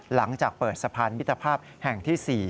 หลังจากเปิดสะพานมิตรภาพแห่งที่๔